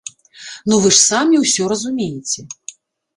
Ну вы ж самі ўсё разумееце.